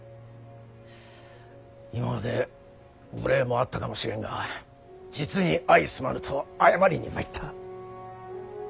今まで無礼もあったかもしれんが実に相すまぬと謝りに参った。